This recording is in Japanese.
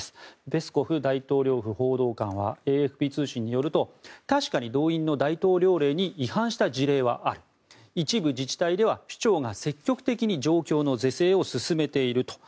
ペスコフ大統領府報道官はＡＦＰ通信によると確かに動員の大統領令に違反した事例はある一部自治体では首長が積極的に状況の是正を進めていると。